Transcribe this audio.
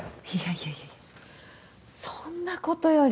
いやいやいやそんなことより。